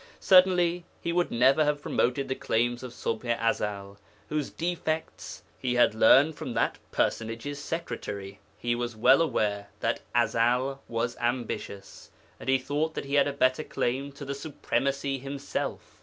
Certainly he could never have promoted the claims of Ṣubḥ i Ezel, whose defects he had learned from that personage's secretary. He was well aware that Ezel was ambitious, and he thought that he had a better claim to the supremacy himself.